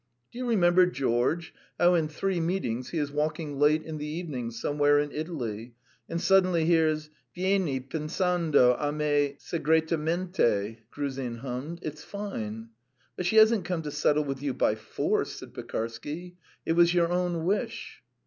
"Do you remember, George, how in 'Three Meetings' he is walking late in the evening somewhere in Italy, and suddenly hears, Vieni pensando a me segretamente," Gruzin hummed. "It's fine." "But she hasn't come to settle with you by force," said Pekarsky. "It was your own wish."